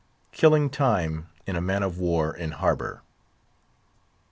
KILLING TIME IN A MAN OF WAR IN HARBOUR.